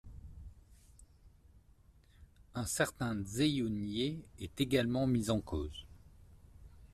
Un certain Zheyun Yé est également mis en cause.